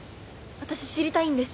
私知りたいんです。